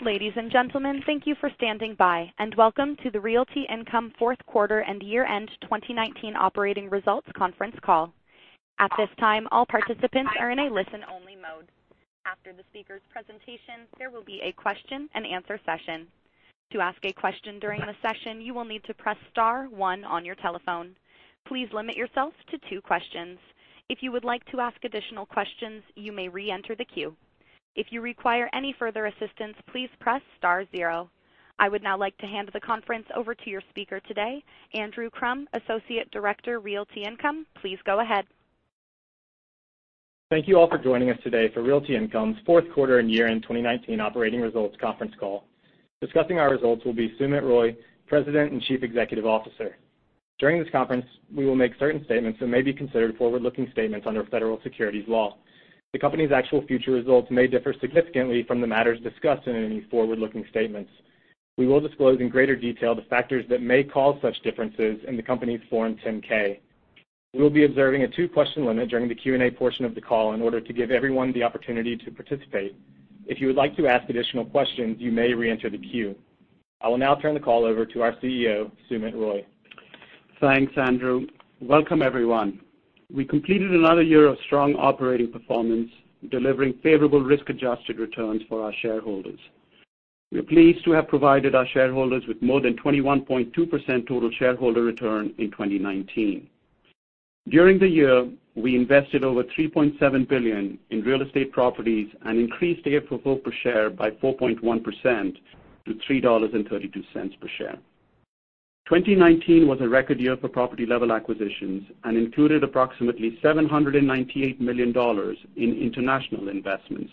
Ladies and gentlemen, thank you for standing by. Welcome to the Realty Income fourth quarter and year-end 2019 operating results conference call. At this time, all participants are in a listen-only mode. After the speakers' presentation, there will be a question and answer session. To ask a question during the session, you will need to press star one on your telephone. Please limit yourself to two questions. If you would like to ask additional questions, you may reenter the queue. If you require any further assistance, please press star zero. I would now like to hand the conference over to your speaker today, Andrew Crum, Associate Director, Realty Income. Please go ahead. Thank you all for joining us today for Realty Income's fourth quarter and year-end 2019 operating results conference call. Discussing our results will be Sumit Roy, President and Chief Executive Officer. During this conference, we will make certain statements that may be considered forward-looking statements under Federal Securities law. The company's actual future results may differ significantly from the matters discussed in any forward-looking statements. We will disclose in greater detail the factors that may cause such differences in the company's Form 10-K. We'll be observing a two-question limit during the Q&A portion of the call in order to give everyone the opportunity to participate. If you would like to ask additional questions, you may reenter the queue. I will now turn the call over to our CEO, Sumit Roy. Thanks, Andrew. Welcome, everyone. We completed another year of strong operating performance, delivering favorable risk-adjusted returns for our shareholders. We are pleased to have provided our shareholders with more than 21.2% total shareholder return in 2019. During the year, we invested over $3.7 billion in real estate properties and increased AFFO per share by 4.1% to $3.32 per share. 2019 was a record year for property-level acquisitions and included approximately $798 million in international investments,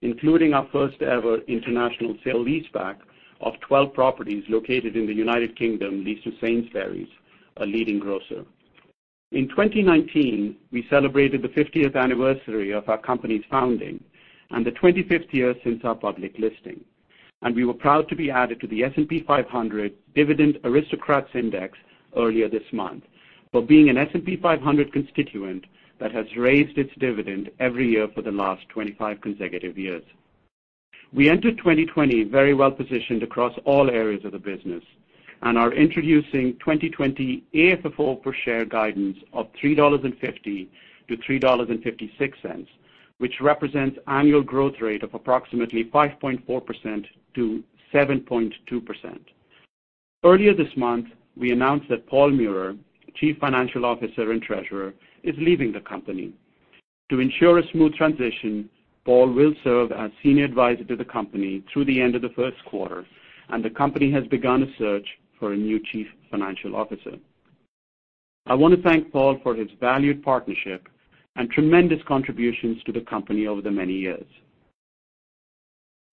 including our first-ever international sale-leaseback of 12 properties located in the U.K. leased to Sainsbury's, a leading grocer. In 2019, we celebrated the 50th anniversary of our company's founding and the 25th year since our public listing. We were proud to be added to the S&P 500 Dividend Aristocrats Index earlier this month for being an S&P 500 constituent that has raised its dividend every year for the last 25 consecutive years. We enter 2020 very well-positioned across all areas of the business and are introducing 2020 AFFO per share guidance of $3.50-$3.56, which represents annual growth rate of approximately 5.4%-7.2%. Earlier this month, we announced that Paul Meurer, Chief Financial Officer and Treasurer, is leaving the company. To ensure a smooth transition, Paul will serve as senior advisor to the company through the end of the first quarter. The company has begun a search for a new Chief Financial Officer. I want to thank Paul for his valued partnership and tremendous contributions to the company over the many years.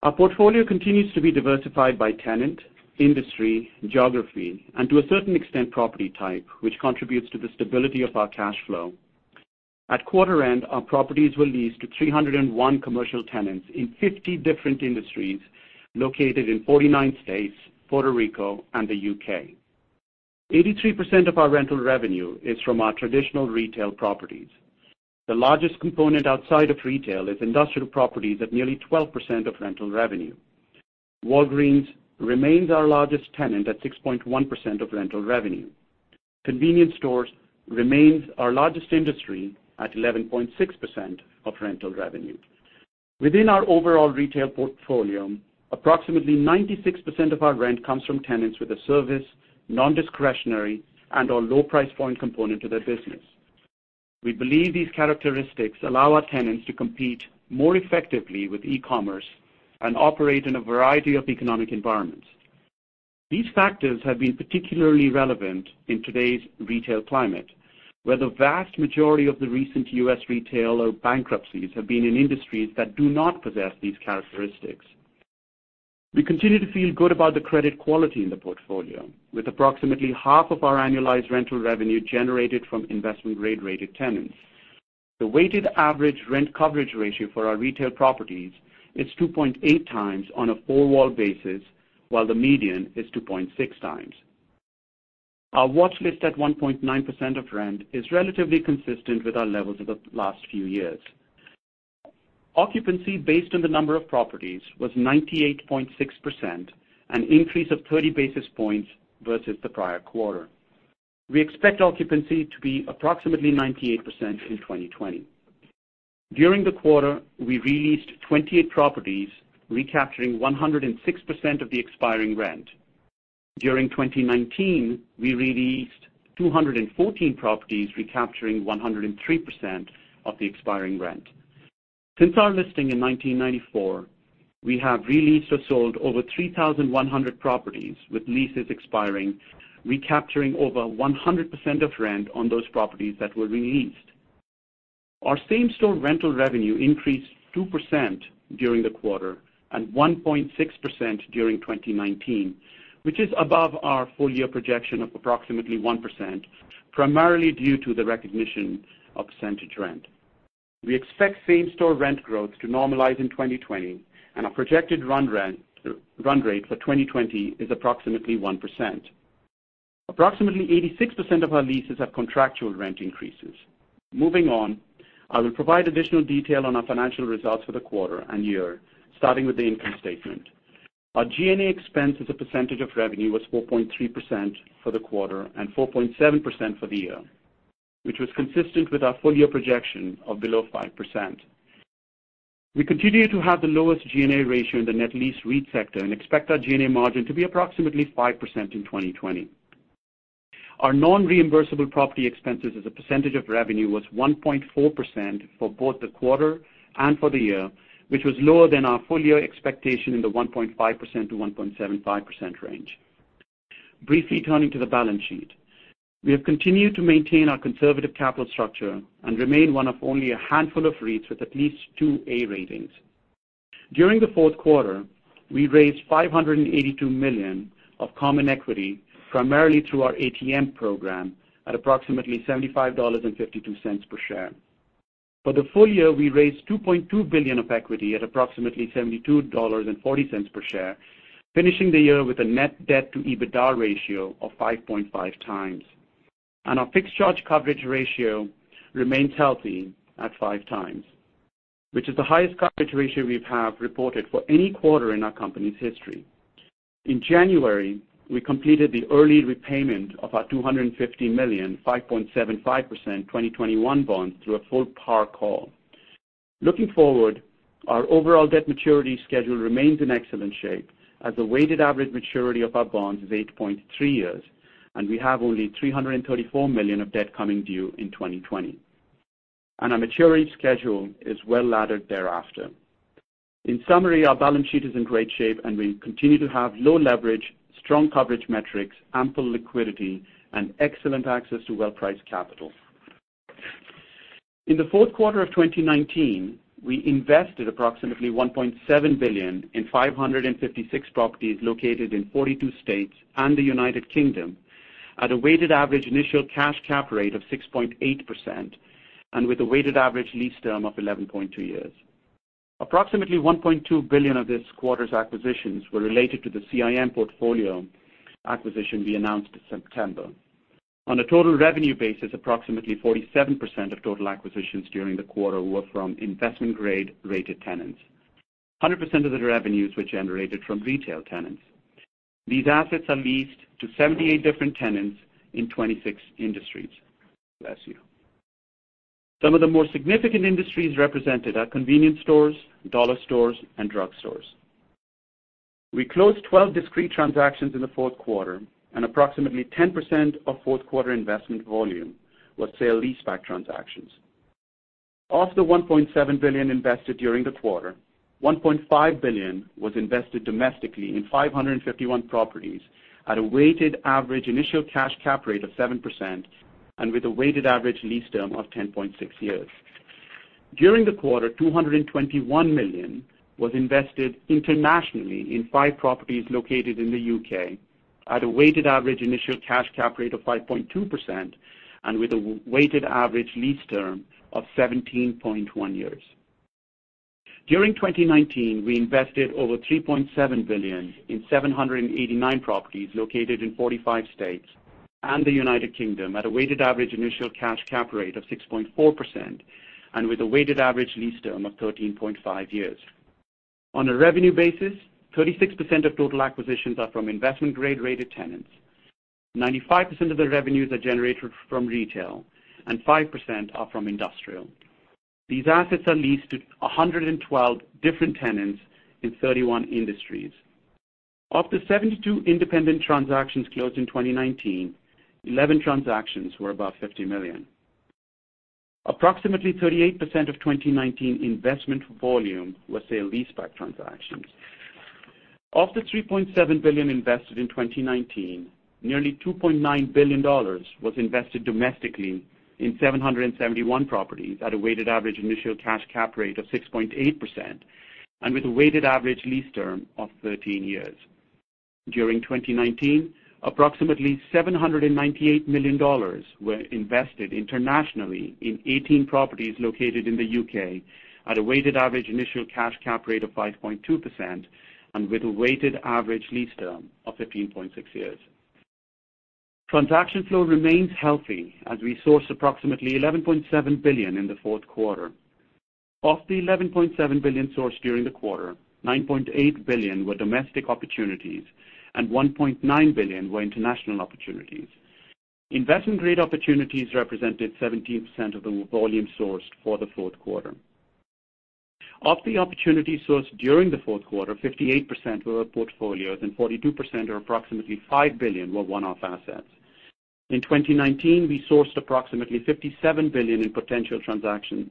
Our portfolio continues to be diversified by tenant, industry, geography, and to a certain extent, property type, which contributes to the stability of our cash flow. At quarter end, our properties were leased to 301 commercial tenants in 50 different industries located in 49 states, Puerto Rico, and the U.K. 83% of our rental revenue is from our traditional retail properties. The largest component outside of retail is industrial properties at nearly 12% of rental revenue. Walgreens remains our largest tenant at 6.1% of rental revenue. Convenience stores remains our largest industry at 11.6% of rental revenue. Within our overall retail portfolio, approximately 96% of our rent comes from tenants with a service, non-discretionary, and/or low price point component to their business. We believe these characteristics allow our tenants to compete more effectively with e-commerce and operate in a variety of economic environments. These factors have been particularly relevant in today's retail climate, where the vast majority of the recent U.S. retail or bankruptcies have been in industries that do not possess these characteristics. We continue to feel good about the credit quality in the portfolio. With approximately half of our annualized rental revenue generated from investment grade-rated tenants. The weighted average rent coverage ratio for our retail properties is 2.8x on a four-wall basis, while the median is 2.6x. Our watch list at 1.9% of rent is relatively consistent with our levels of the last few years. Occupancy based on the number of properties was 98.6%, an increase of 30 basis points versus the prior quarter. We expect occupancy to be approximately 98% in 2020. During the quarter, we re-leased 28 properties, recapturing 106% of the expiring rent. During 2019, we re-leased 214 properties, recapturing 103% of the expiring rent. Since our listing in 1994, we have re-leased or sold over 3,100 properties with leases expiring, recapturing over 100% of rent on those properties that were re-leased. Our same-store rental revenue increased 2% during the quarter and 1.6% during 2019, which is above our full-year projection of approximately 1%, primarily due to the recognition of percentage rent. We expect same-store rent growth to normalize in 2020, and our projected run rate for 2020 is approximately 1%. Approximately 86% of our leases have contractual rent increases. Moving on, I will provide additional detail on our financial results for the quarter and year, starting with the income statement. Our G&A expense as a percentage of revenue was 4.3% for the quarter and 4.7% for the year, which was consistent with our full-year projection of below 5%. We continue to have the lowest G&A ratio in the net lease REIT sector and expect our G&A margin to be approximately 5% in 2020. Our non-reimbursable property expenses as a percentage of revenue was 1.4% for both the quarter and for the year, which was lower than our full-year expectation in the 1.5%-1.75% range. Briefly turning to the balance sheet. We have continued to maintain our conservative capital structure and remain one of only a handful of REITs with at least two A ratings. During the fourth quarter, we raised $582 million of common equity, primarily through our ATM program, at approximately $75.52 per share. For the full year, we raised $2.2 billion of equity at approximately $72.40 per share, finishing the year with a net debt to EBITDA ratio of 5.5x. Our fixed charge coverage ratio remains healthy at 5x, which is the highest coverage ratio we have reported for any quarter in our company's history. In January, we completed the early repayment of our $250 million 5.75% 2021 bonds through a full par call. Looking forward, our overall debt maturity schedule remains in excellent shape as the weighted average maturity of our bonds is 8.3 years, and we have only $334 million of debt coming due in 2020. Our maturity schedule is well-laddered thereafter. In summary, our balance sheet is in great shape, and we continue to have low leverage, strong coverage metrics, ample liquidity, and excellent access to well-priced capital. In the fourth quarter of 2019, we invested approximately $1.7 billion in 556 properties located in 42 states and the United Kingdom at a weighted average initial cash cap rate of 6.8% and with a weighted average lease term of 11.2 years. Approximately $1.2 billion of this quarter's acquisitions were related to the CIM portfolio acquisition we announced September. On a total revenue basis, approximately 47% of total acquisitions during the quarter were from investment-grade-rated tenants. 100% of the revenues were generated from retail tenants. These assets are leased to 78 different tenants in 26 industries. Bless you. Some of the more significant industries represented are convenience stores, dollar stores, and drug stores. We closed 12 discrete transactions in the fourth quarter, and approximately 10% of fourth quarter investment volume was sale-leaseback transactions. Of the $1.7 billion invested during the quarter, $1.5 billion was invested domestically in 551 properties at a weighted average initial cash cap rate of 7% and with a weighted average lease term of 10.6 years. During the quarter, $221 million was invested internationally in five properties located in the U.K. at a weighted average initial cash cap rate of 5.2% and with a weighted average lease term of 17.1 years. During 2019, we invested over $3.7 billion in 789 properties located in 45 states and the United Kingdom at a weighted average initial cash cap rate of 6.4% and with a weighted average lease term of 13.5 years. On a revenue basis, 36% of total acquisitions are from investment grade-rated tenants, 95% of the revenues are generated from retail, and 5% are from industrial. These assets are leased to 112 different tenants in 31 industries. Of the 72 independent transactions closed in 2019, 11 transactions were above $50 million. Approximately 38% of 2019 investment volume was sale-leaseback transactions. Of the $3.7 billion invested in 2019, nearly $2.9 billion was invested domestically in 771 properties at a weighted average initial cash cap rate of 6.8% and with a weighted average lease term of 13 years. During 2019, approximately $798 million were invested internationally in 18 properties located in the U.K. at a weighted average initial cash cap rate of 5.2% and with a weighted average lease term of 15.6 years. Transaction flow remains healthy as we sourced approximately $11.7 billion in the fourth quarter. Of the $11.7 billion sourced during the quarter, $9.8 billion were domestic opportunities and $1.9 billion were international opportunities. Investment-grade opportunities represented 17% of the volume sourced for the fourth quarter. Of the opportunities sourced during the fourth quarter, 58% were portfolios and 42% or approximately $5 billion were one-off assets. In 2019, we sourced approximately $57 billion in potential transaction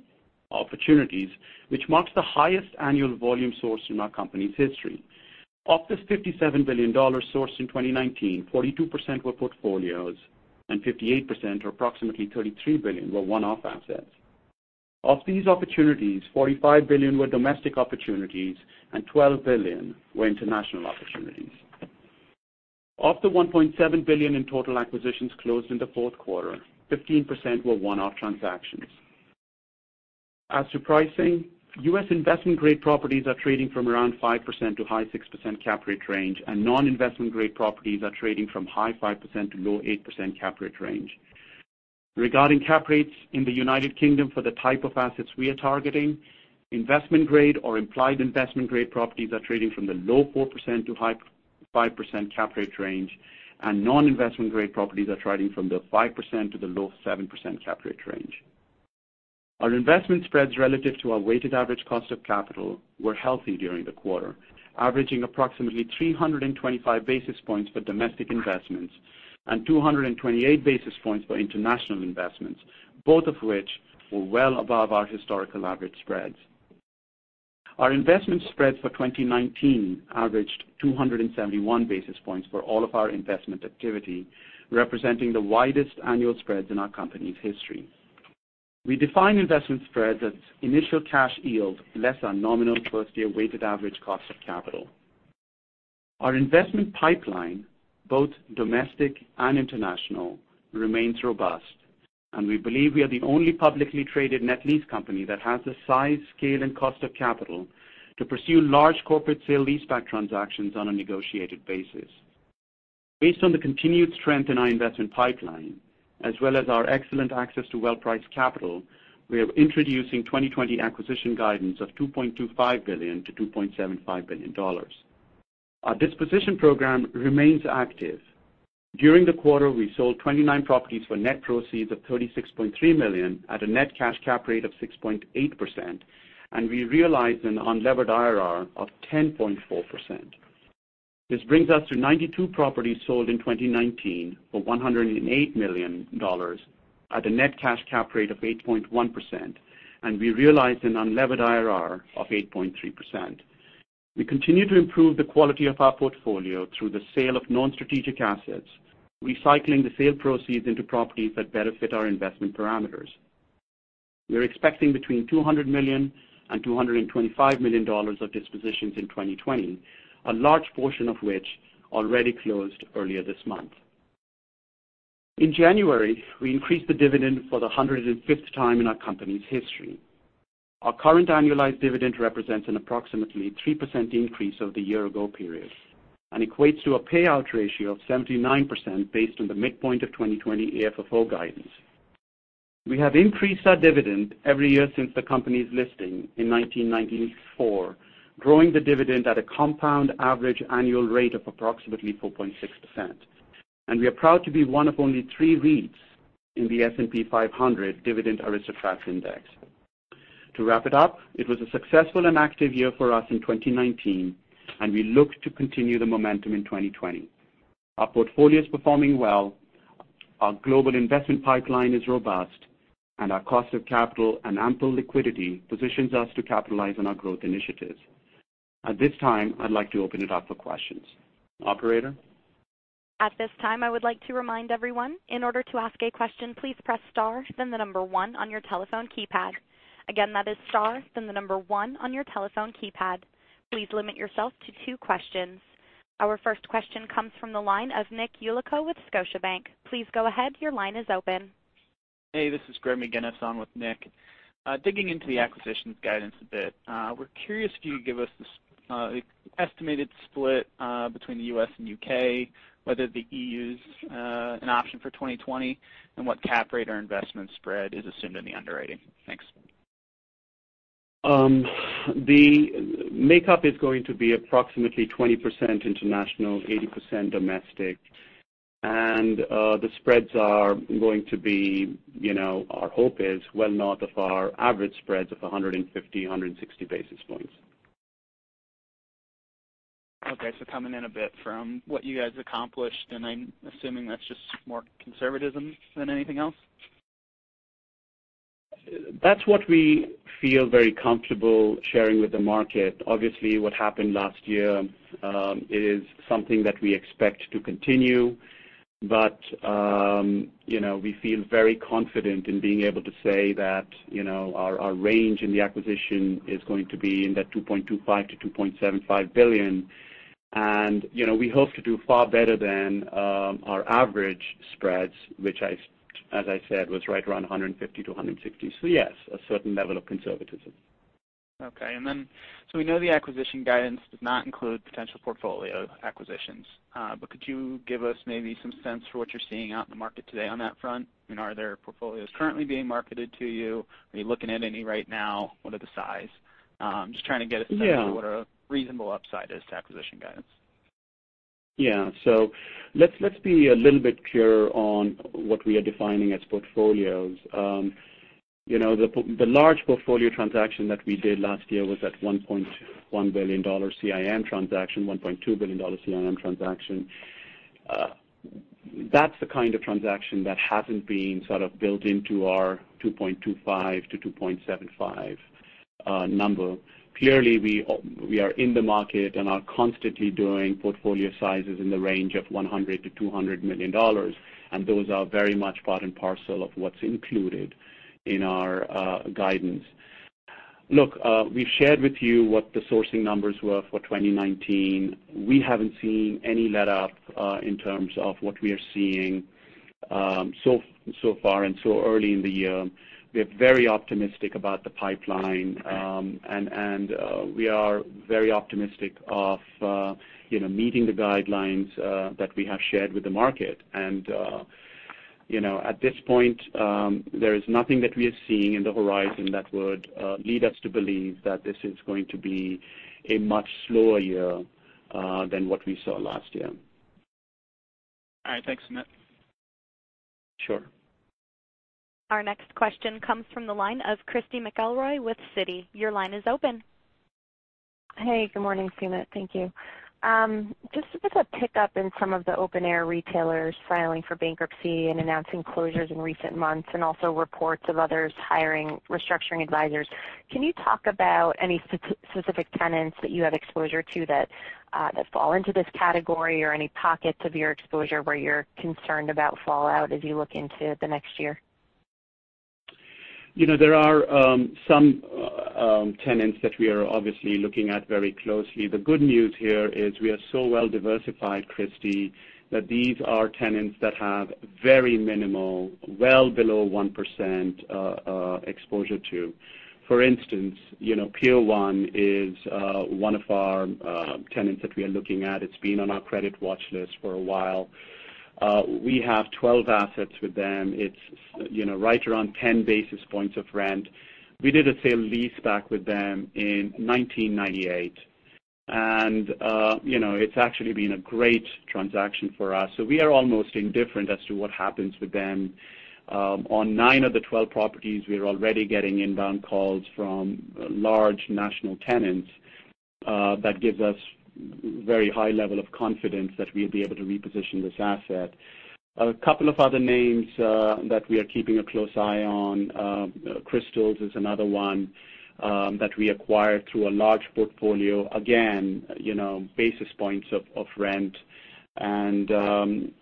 opportunities, which marks the highest annual volume sourced in our company's history. Of this $57 billion sourced in 2019, 42% were portfolios and 58%, or approximately $33 billion, were one-off assets. Of these opportunities, $45 billion were domestic opportunities and $12 billion were international opportunities. Of the $1.7 billion in total acquisitions closed in the fourth quarter, 15% were one-off transactions. As to pricing, U.S. investment-grade properties are trading from around 5%-high 6% cap rate range, and non-investment grade properties are trading from high 5%-low 8% cap rate range. Regarding cap rates in the United Kingdom for the type of assets we are targeting, investment-grade or implied investment-grade properties are trading from the low 4%-high 5% cap rate range, and non-investment grade properties are trading from the 5%-low 7% cap rate range. Our investment spreads relative to our weighted average cost of capital were healthy during the quarter, averaging approximately 325 basis points for domestic investments and 228 basis points for international investments, both of which were well above our historical average spreads. Our investment spreads for 2019 averaged 271 basis points for all of our investment activity, representing the widest annual spreads in our company's history. We define investment spread as initial cash yield less our nominal first-year weighted average cost of capital. Our investment pipeline, both domestic and international, remains robust, and we believe we are the only publicly traded net lease company that has the size, scale, and cost of capital to pursue large corporate sale-leaseback transactions on a negotiated basis. Based on the continued strength in our investment pipeline, as well as our excellent access to well-priced capital, we are introducing 2020 acquisition guidance of $2.25 billion-$2.75 billion. Our disposition program remains active. During the quarter, we sold 29 properties for net proceeds of $36.3 million at a net cash cap rate of 6.8%, and we realized an unlevered IRR of 10.4%. This brings us to 92 properties sold in 2019 for $108 million at a net cash cap rate of 8.1%, and we realized an unlevered IRR of 8.3%. We continue to improve the quality of our portfolio through the sale of non-strategic assets, recycling the sale proceeds into properties that better fit our investment parameters. We're expecting between $200 million and $225 million of dispositions in 2020, a large portion of which already closed earlier this month. In January, we increased the dividend for the 105th time in our company's history. Our current annualized dividend represents an approximately 3% increase over the year-ago period and equates to a payout ratio of 79% based on the midpoint of 2020 AFFO guidance. We have increased our dividend every year since the company's listing in 1994, growing the dividend at a compound average annual rate of approximately 4.6%. We are proud to be one of only three REITs in the S&P 500 Dividend Aristocrats Index. To wrap it up, it was a successful and active year for us in 2019, and we look to continue the momentum in 2020. Our portfolio is performing well, our global investment pipeline is robust, and our cost of capital and ample liquidity positions us to capitalize on our growth initiatives. At this time, I'd like to open it up for questions. Operator? At this time, I would like to remind everyone, in order to ask a question, please press star then the number one on your telephone keypad. Again, that is star then the number one on your telephone keypad. Please limit yourself to two questions. Our first question comes from the line of Nick Yulico with Scotiabank. Please go ahead. Your line is open. Hey, this is Greg McGinniss on with Nick. Digging into the acquisitions guidance a bit, we're curious if you could give us the estimated split between the U.S. and U.K., whether the EU is an option for 2020, and what cap rate or investment spread is assumed in the underwriting. Thanks. The makeup is going to be approximately 20% international, 80% domestic, and the spreads are going to be, our hope is, well north of our average spreads of 150, 160 basis points. Okay, coming in a bit from what you guys accomplished, and I'm assuming that's just more conservatism than anything else? That's what we feel very comfortable sharing with the market. Obviously, what happened last year is something that we expect to continue. We feel very confident in being able to say that our range in the acquisition is going to be in that $2.25 billion-$2.75 billion. We hope to do far better than our average spreads, which as I said, was right around 150-160 basis points. Yes, a certain level of conservatism. Okay. We know the acquisition guidance does not include potential portfolio acquisitions. Could you give us maybe some sense for what you're seeing out in the market today on that front? Are there portfolios currently being marketed to you? Are you looking at any right now? What are the size? Just trying to get a sense. Yeah. Of what a reasonable upside is to acquisition guidance. Yeah. Let's be a little bit clear on what we are defining as portfolios. The large portfolio transaction that we did last year was that $1.2 billion CIM transaction. That's the kind of transaction that hasn't been sort of built into our 2.25-2.75 number. Clearly, we are in the market and are constantly doing portfolio sizes in the range of $100 million-$200 million, and those are very much part and parcel of what's included in our guidance. Look, we've shared with you what the sourcing numbers were for 2019. We haven't seen any letup in terms of what we are seeing so far and so early in the year. We're very optimistic about the pipeline. We are very optimistic of meeting the guidelines that we have shared with the market. At this point, there is nothing that we are seeing in the horizon that would lead us to believe that this is going to be a much slower year than what we saw last year. All right. Thanks, Sumit. Sure. Our next question comes from the line of Christy McElroy with Citi. Your line is open. Hey, good morning, Sumit. Thank you. Just with the pick up in some of the open-air retailers filing for bankruptcy and announcing closures in recent months and also reports of others hiring restructuring advisers, can you talk about any specific tenants that you have exposure to that fall into this category or any pockets of your exposure where you're concerned about fallout as you look into the next year? There are some tenants that we are obviously looking at very closely. The good news here is we are so well diversified, Christy, that these are tenants that have very minimal, well below 1% exposure to. For instance, Pier 1 is one of our tenants that we are looking at. It's been on our credit watch list for a while. We have 12 assets with them. It's right around 10 basis points of rent. We did a sale-leaseback with them in 1998. It's actually been a great transaction for us. We are almost indifferent as to what happens with them. On nine of the 12 properties, we are already getting inbound calls from large national tenants. That gives us very high level of confidence that we'll be able to reposition this asset. A couple of other names that we are keeping a close eye on. Krystal is another one that we acquired through a large portfolio. Basis points of rent. Based on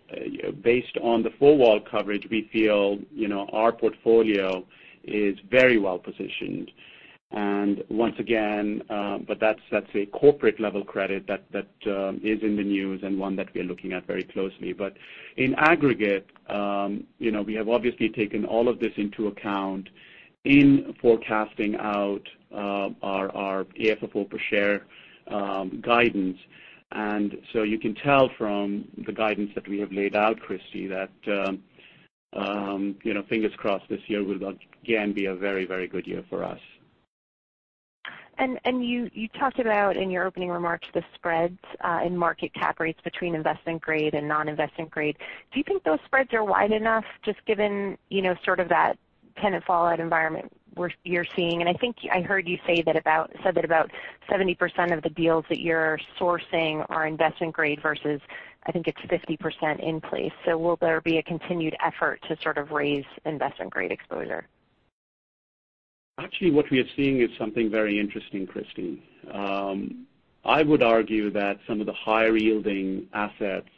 the full wall coverage, we feel our portfolio is very well-positioned. Once again, that's a corporate-level credit that is in the news and one that we are looking at very closely. In aggregate we have obviously taken all of this into account in forecasting out our AFFO per share guidance. You can tell from the guidance that we have laid out, Christy, that fingers crossed this year will again be a very good year for us. You talked about in your opening remarks the spreads in market cap rates between investment grade and non-investment grade. Do you think those spreads are wide enough just given sort of that tenant fallout environment where you're seeing, and I think I heard you said that about 70% of the deals that you're sourcing are investment grade versus I think it's 50% in place? Will there be a continued effort to sort of raise investment grade exposure? Actually, what we are seeing is something very interesting, Christy. I would argue that some of the higher-yielding assets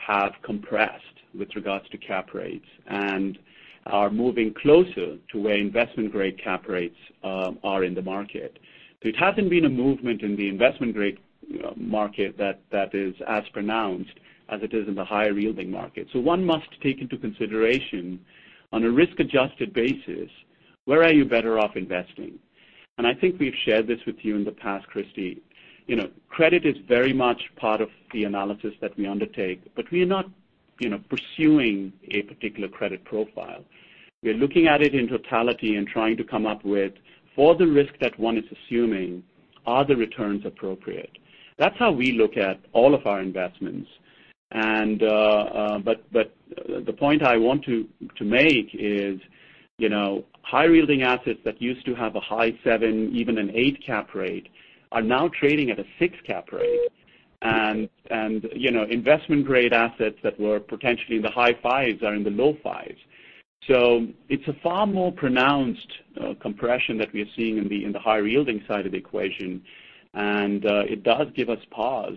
have compressed with regards to cap rates and are moving closer to where investment-grade cap rates are in the market. It hasn't been a movement in the investment-grade market that is as pronounced as it is in the higher-yielding market. One must take into consideration on a risk-adjusted basis, where are you better off investing? I think we've shared this with you in the past, Christy. Credit is very much part of the analysis that we undertake, we are not pursuing a particular credit profile. We are looking at it in totality and trying to come up with for the risk that one is assuming, are the returns appropriate? That's how we look at all of our investments. The point I want to make is higher-yielding assets that used to have a high 7%, even an 8% cap rate, are now trading at a 6% cap rate. Investment-grade assets that were potentially in the high 5s are in the low 5s. It's a far more pronounced compression that we are seeing in the higher-yielding side of the equation. It does give us pause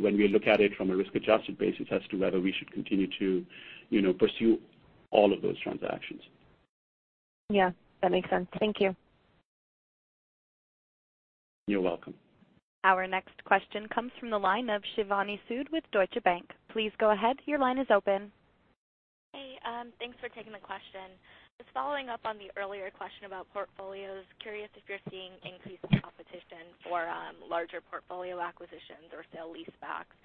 when we look at it from a risk-adjusted basis as to whether we should continue to pursue all of those transactions. Yeah, that makes sense. Thank you. You're welcome. Our next question comes from the line of Shivani Sood with Deutsche Bank. Please go ahead. Your line is open. Hey, thanks for taking the question. Just following up on the earlier question about portfolios. Curious if you're seeing increased competition for larger portfolio acquisitions or sale-leasebacks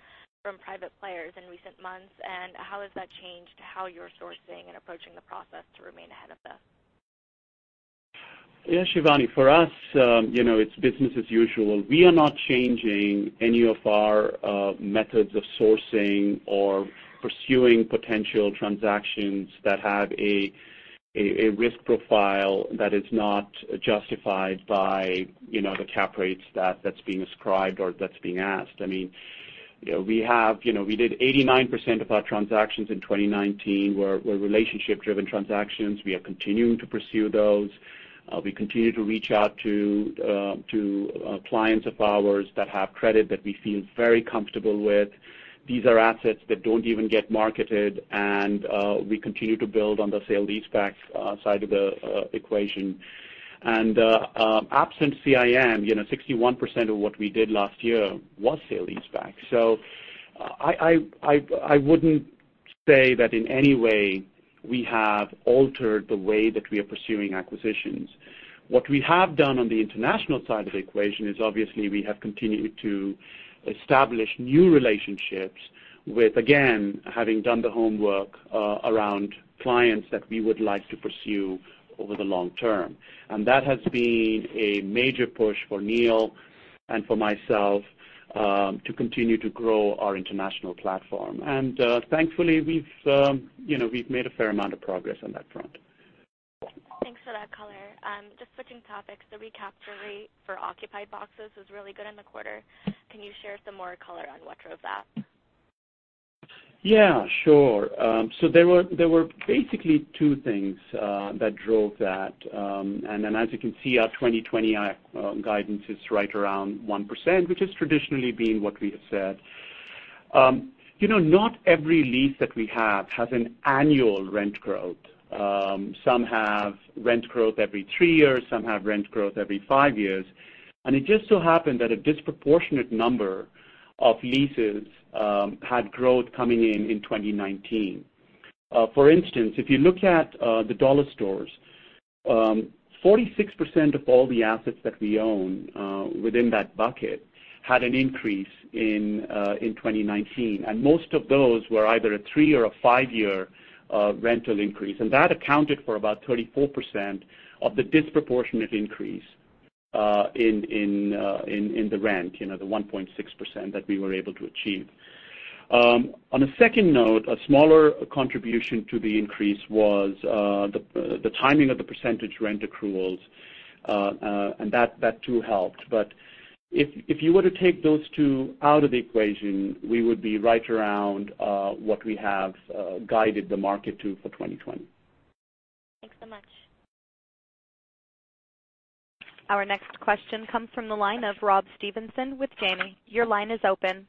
from private players in recent months, how has that changed how you're sourcing and approaching the process to remain ahead of this? Yeah, Shivani, for us it's business as usual. We are not changing any of our methods of sourcing or pursuing potential transactions that have a risk profile that is not justified by the cap rates that's being ascribed or that's being asked. I mean, we did 89% of our transactions in 2019 were relationship-driven transactions. We are continuing to pursue those. We continue to reach out to clients of ours that have credit that we feel very comfortable with. These are assets that don't even get marketed, and we continue to build on the sale-leaseback side of the equation. Absent CIM, 61% of what we did last year was sale-leaseback. I wouldn't say that in any way we have altered the way that we are pursuing acquisitions. What we have done on the international side of the equation is obviously we have continued to establish new relationships with, again, having done the homework around clients that we would like to pursue over the long-term. That has been a major push for Neil and for myself to continue to grow our international platform. Thankfully, we've made a fair amount of progress on that front. Thanks for that color. Just switching topics, the recapture rate for occupied boxes was really good in the quarter. Can you share some more color on what drove that? Yeah, sure. There were basically two things that drove that. As you can see, our 2020 guidance is right around 1%, which has traditionally been what we have said. Not every lease that we have has an annual rent growth. Some have rent growth every three years, some have rent growth every five years. It just so happened that a disproportionate number of leases had growth coming in in 2019. For instance, if you look at the dollar stores, 46% of all the assets that we own within that bucket had an increase in 2019. Most of those were either a three or a five-year rental increase. That accounted for about 34% of the disproportionate increase in the rent, the 1.6% that we were able to achieve. On a second note, a smaller contribution to the increase was the timing of the percentage rent accruals and that too helped. If you were to take those two out of the equation, we would be right around what we have guided the market to for 2020. Thanks so much. Our next question comes from the line of Rob Stevenson with Janney. Your line is open.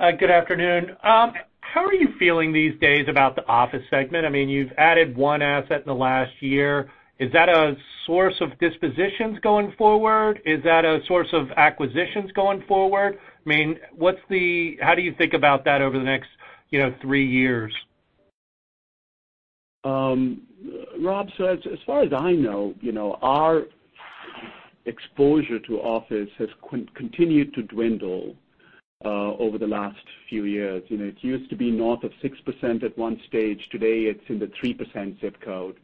Good afternoon. How are you feeling these days about the office segment? You've added one asset in the last year. Is that a source of dispositions going forward? Is that a source of acquisitions going forward? How do you think about that over the next three years? Rob, as far as I know our exposure to office has continued to dwindle over the last few years. It used to be north of 6% at one stage. Today, it's in the 3% ZIP code.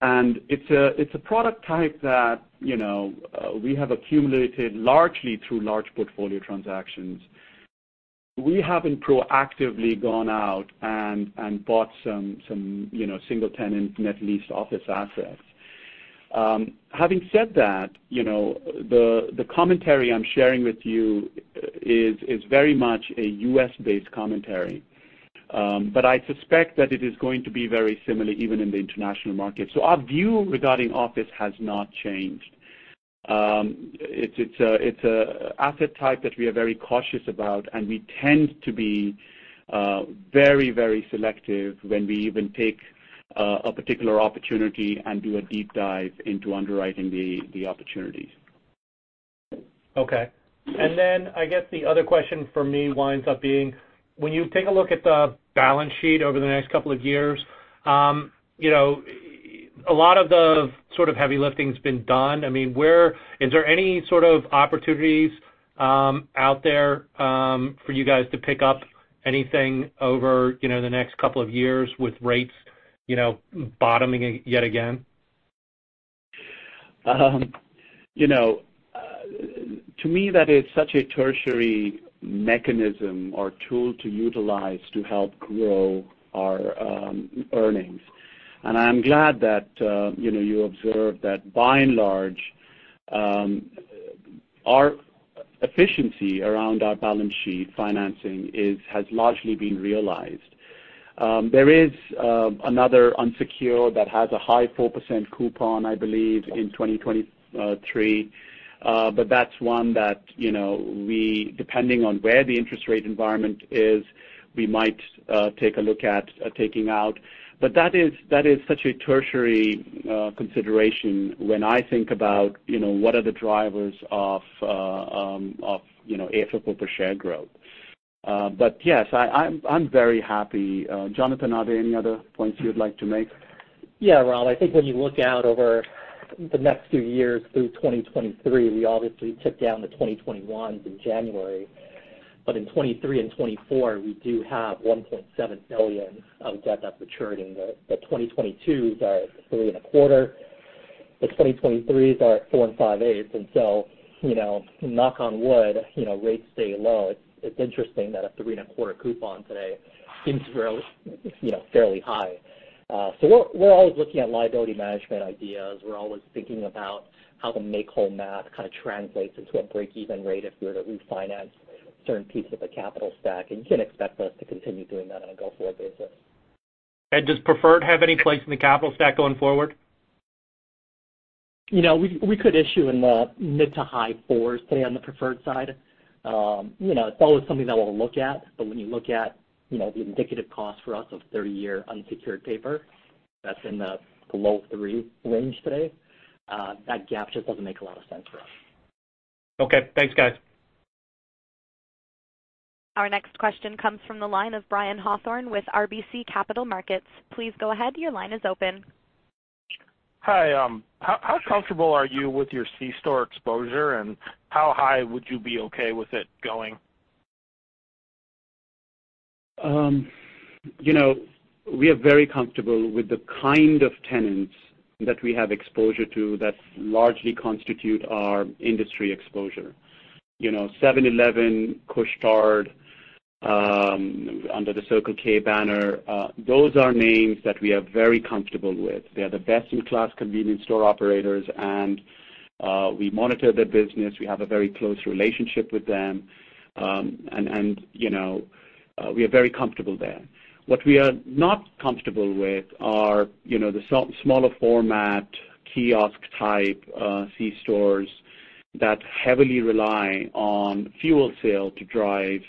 It's a product type that we have accumulated largely through large portfolio transactions. We haven't proactively gone out and bought some single-tenant net lease office assets. Having said that, the commentary I'm sharing with you is very much a U.S.-based commentary. I suspect that it is going to be very similar even in the international market. Our view regarding office has not changed. It's an asset type that we are very cautious about, and we tend to be very selective when we even take a particular opportunity and do a deep dive into underwriting the opportunities. Okay. I guess the other question for me winds up being, when you take a look at the balance sheet over the next couple of years, a lot of the heavy lifting's been done. Is there any sort of opportunities out there for you guys to pick up anything over the next couple of years with rates bottoming yet again? To me, that is such a tertiary mechanism or tool to utilize to help grow our earnings. I'm glad that you observed that by and large our efficiency around our balance sheet financing has largely been realized. There is another unsecured that has a high 4% coupon, I believe, in 2023. That's one that depending on where the interest rate environment is, we might take a look at taking out. That is such a tertiary consideration when I think about what are the drivers of AFFO per share growth. Yes, I'm very happy. Jonathan, are there any other points you would like to make? Yeah, Rob, I think when you look out over the next few years through 2023, we obviously took down the 2021s in January. In 2023 and 2024, we do have $1.7 billion of debt that's maturing. The 2022s are 3.25%. The 2023s are at 4.625%. Knock on wood, rates stay low. It's interesting that a 3.25% coupon today seems fairly high. We're always looking at liability management ideas. We're always thinking about how the make-whole math translates into a break-even rate if we were to refinance certain pieces of the capital stack. You can expect us to continue doing that on a go-forward basis. Does preferred have any place in the capital stack going forward? We could issue in the mid to high 4s, say on the preferred side. It's always something that we'll look at. When you look at the indicative cost for us of 30-year unsecured paper that's in the low three range today, that gap just doesn't make a lot of sense for us. Okay. Thanks, guys. Our next question comes from the line of Brian Hawthorne with RBC Capital Markets. Please go ahead. Your line is open. Hi. How comfortable are you with your C-store exposure, and how high would you be okay with it going? We are very comfortable with the kind of tenants that we have exposure to that largely constitute our industry exposure. 7-Eleven, Couche-Tard under the Circle K banner, those are names that we are very comfortable with. They are the best-in-class convenience store operators. We monitor their business. We have a very close relationship with them. We are very comfortable there. What we are not comfortable with are the smaller format kiosk type C-stores that heavily rely on fuel sale to drive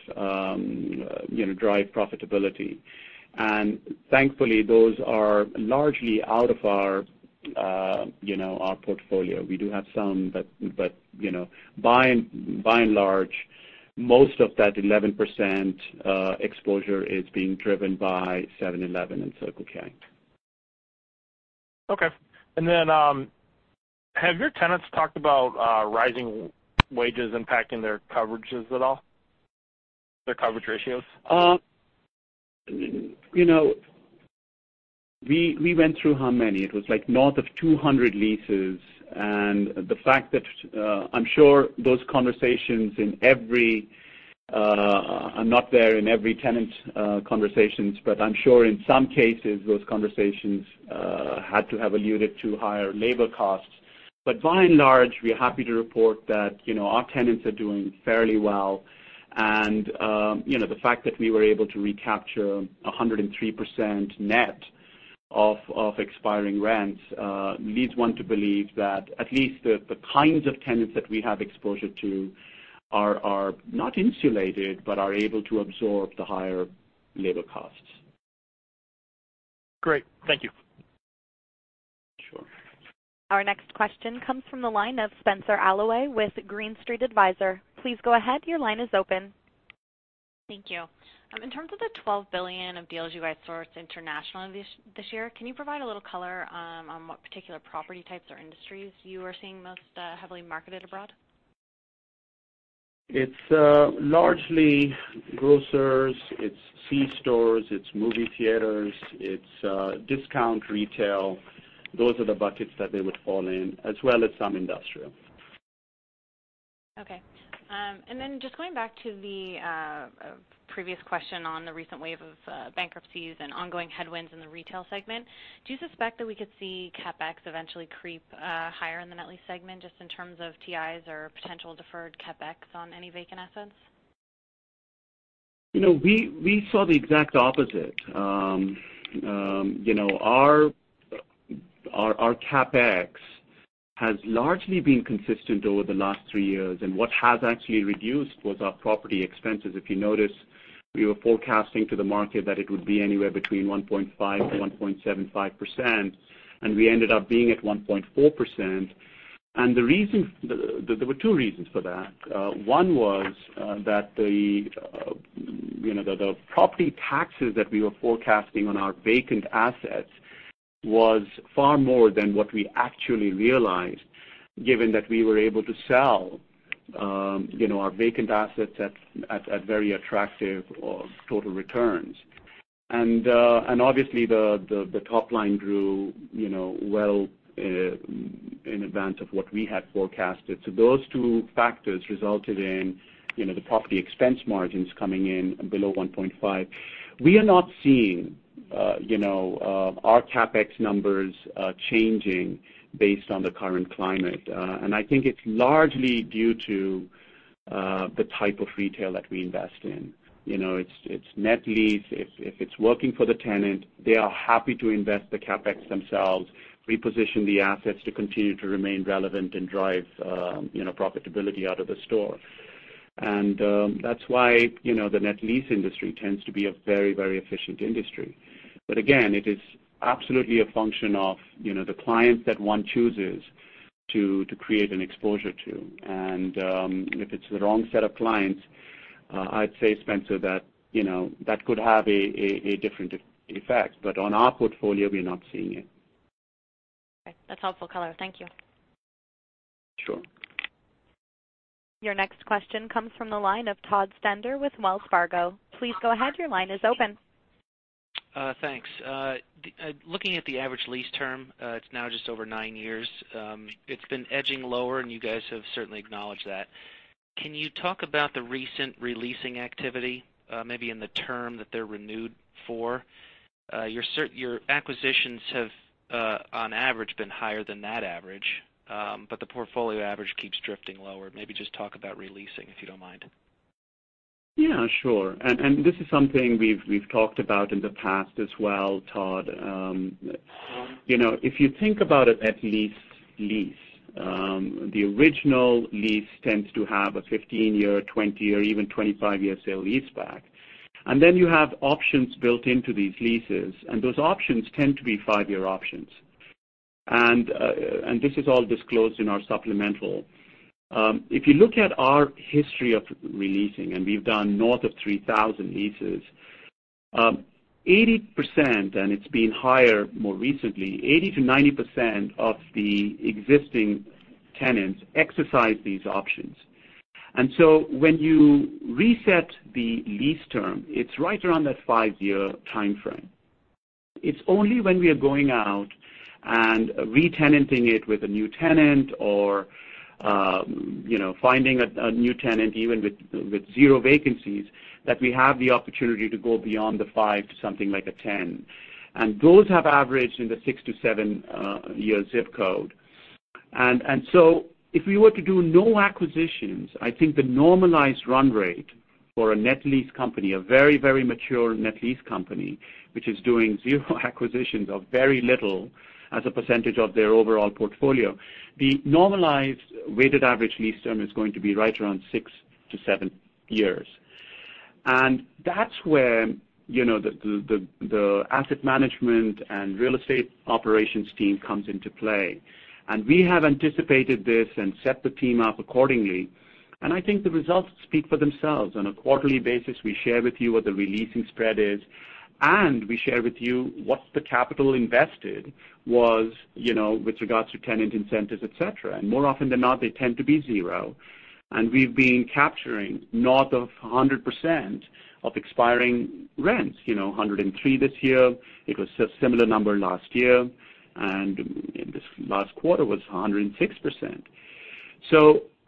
profitability. Thankfully, those are largely out of our portfolio. We do have some, but by and large, most of that 11% exposure is being driven by 7-Eleven and Circle K. Okay. Have your tenants talked about rising wages impacting their coverages at all, their coverage ratios? We went through how many? It was north of 200 leases, the fact that I'm sure those conversations are not there in every tenant conversations, but I'm sure in some cases, those conversations had to have alluded to higher labor costs. By and large, we are happy to report that our tenants are doing fairly well. The fact that we were able to recapture 103% net of expiring rents leads one to believe that at least the kinds of tenants that we have exposure to are not insulated but are able to absorb the higher labor costs. Great. Thank you. Sure. Our next question comes from the line of Spenser Allaway with Green Street Advisors. Please go ahead. Your line is open. Thank you. In terms of the $12 billion of deals you guys sourced internationally this year, can you provide a little color on what particular property types or industries you are seeing most heavily marketed abroad? It's largely grocers. It's C stores. It's movie theaters. It's discount retail. Those are the buckets that they would fall in, as well as some industrial. Okay. Just going back to the previous question on the recent wave of bankruptcies and ongoing headwinds in the retail segment, do you suspect that we could see CapEx eventually creep higher in the net lease segment, just in terms of TIs or potential deferred CapEx on any vacant assets? We saw the exact opposite. Our CapEx has largely been consistent over the last three years, and what has actually reduced was our property expenses. If you notice, we were forecasting to the market that it would be anywhere between 1.5%-1.75%, and we ended up being at 1.4%. There were two reasons for that. One was that the property taxes that we were forecasting on our vacant assets was far more than what we actually realized, given that we were able to sell our vacant assets at very attractive total returns. Obviously the top line grew well in advance of what we had forecasted. Those two factors resulted in the property expense margins coming in below 1.5%. We are not seeing our CapEx numbers changing based on the current climate. I think it's largely due to the type of retail that we invest in. It's net lease. If it's working for the tenant, they are happy to invest the CapEx themselves, reposition the assets to continue to remain relevant and drive profitability out of the store. That's why the net lease industry tends to be a very efficient industry. Again, it is absolutely a function of the clients that one chooses to create an exposure to. If it's the wrong set of clients, I'd say, Spenser, that could have a different effect. On our portfolio, we're not seeing it. Okay. That's helpful color. Thank you. Sure. Your next question comes from the line of Todd Stender with Wells Fargo. Please go ahead. Your line is open. Thanks. Looking at the average lease term, it's now just over nine years. It's been edging lower. You guys have certainly acknowledged that. Can you talk about the recent re-leasing activity maybe in the term that they're renewed for? Your acquisitions have, on average, been higher than that average. The portfolio average keeps drifting lower. Maybe just talk about re-leasing, if you don't mind. Yeah, sure. This is something we've talked about in the past as well, Todd. If you think about a net lease, the original lease tends to have a 15-year, 20-year, or even 25-year sale-leaseback. You have options built into these leases, and those options tend to be five-year options. This is all disclosed in our supplemental. If you look at our history of re-leasing, and we've done north of 3,000 leases, 80%, and it's been higher more recently, 80%-90% of the existing tenants exercise these options. When you reset the lease term, it's right around that five-year timeframe. It's only when we are going out and re-tenanting it with a new tenant or finding a new tenant even with zero vacancies, that we have the opportunity to go beyond the five to something like a 10. Those have averaged in the six to seven-year ZIP code. If we were to do no acquisitions, I think the normalized run rate for a net lease company, a very, very mature net lease company, which is doing zero acquisitions or very little as a percentage of their overall portfolio, the normalized weighted average lease term is going to be right around six to seven years. That's where the asset management and real estate operations team comes into play. We have anticipated this and set the team up accordingly, and I think the results speak for themselves. On a quarterly basis, we share with you what the re-leasing spread is, and we share with you what the capital invested was with regards to tenant incentives, etc. More often than not, they tend to be zero. We've been capturing north of 100% of expiring rents. 103 this year, it was a similar number last year, and this last quarter was 106%.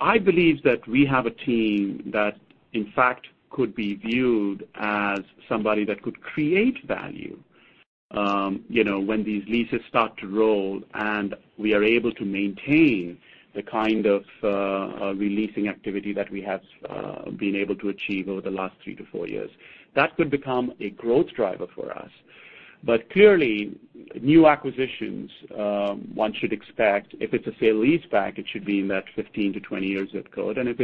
I believe that we have a team that, in fact, could be viewed as somebody that could create value. When these leases start to roll and we are able to maintain the kind of re-leasing activity that we have been able to achieve over the last three to four years, that could become a growth driver for us. Clearly, new acquisitions, one should expect if it's a sale-leaseback, it should be in that 15-20 year ZIP code. If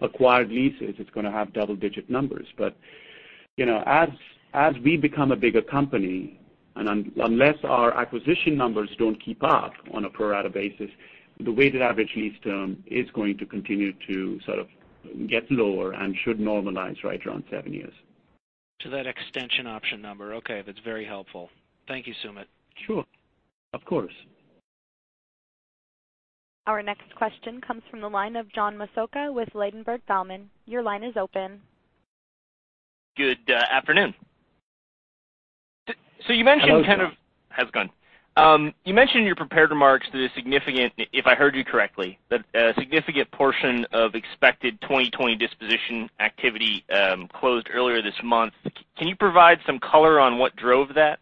it's acquired leases, it's going to have double-digit numbers. As we become a bigger company, and unless our acquisition numbers don't keep up on a pro rata basis, the weighted average lease term is going to continue to sort of get lower and should normalize right around seven years. To that extension option number. Okay. That's very helpful. Thank you, Sumit. Sure. Of course. Our next question comes from the line of John Massocca with Ladenburg Thalmann. Your line is open. Good afternoon. Hello, John. How's it going? You mentioned in your prepared remarks that a significant, if I heard you correctly, a significant portion of expected 2020 disposition activity closed earlier this month. Can you provide some color on what drove that?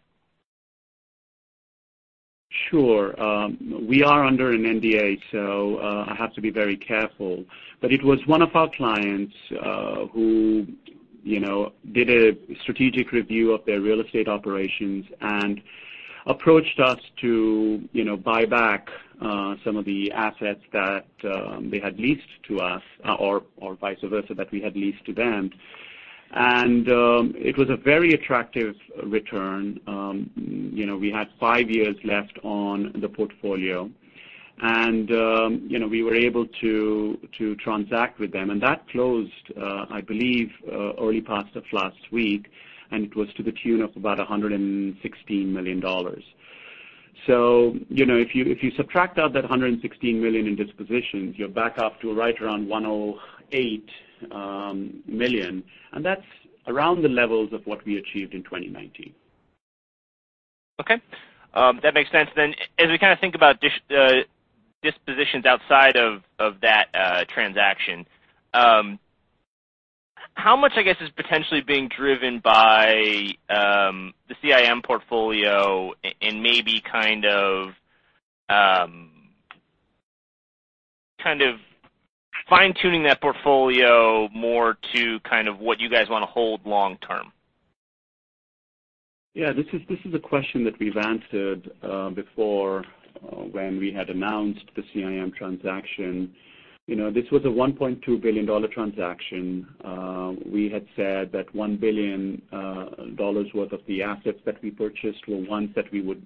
Sure. We are under an NDA, so I have to be very careful. It was one of our clients who did a strategic review of their real estate operations and approached us to buy back some of the assets that they had leased to us or vice versa, that we had leased to them. It was a very attractive return. We had five years left on the portfolio, and we were able to transact with them. That closed, I believe, early part of last week, and it was to the tune of about $116 million. If you subtract out that $116 million in dispositions, you're back up to right around $108 million, and that's around the levels of what we achieved in 2019. Okay. That makes sense then. As we kind of think about dispositions outside of that transaction, how much, I guess, is potentially being driven by the CIM portfolio and maybe kind of fine-tuning that portfolio more to what you guys want to hold long-term? Yeah. This is a question that we've answered before when we had announced the CIM transaction. This was a $1.2 billion transaction. We had said that $1 billion worth of the assets that we purchased were ones that we would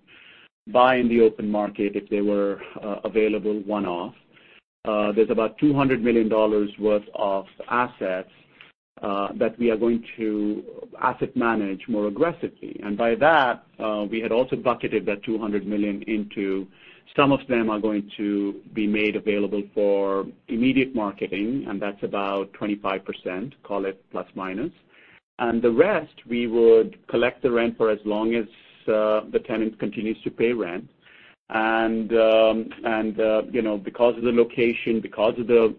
buy in the open market if they were available one-off. There's about $200 million worth of assets that we are going to asset manage more aggressively. By that, we had also bucketed that $200 million into some of them are going to be made available for immediate marketing, and that's about 25%, call it plus minus. The rest, we would collect the rent for as long as the tenant continues to pay rent. Because of the location, because of the